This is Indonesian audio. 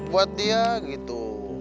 buat dia gitu